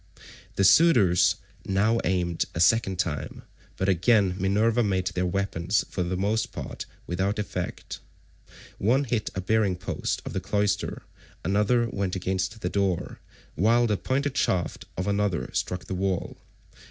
The suitors now aimed a second time, but again Minerva made their weapons for the most part without effect. One hit a bearing post of the cloister; another went against the door; while the pointed shaft of another struck the wall.